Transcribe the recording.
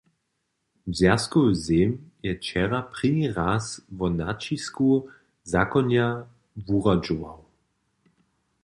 Zwjazkowy sejm je wčera prěni raz wo naćisku zakonja wuradźował.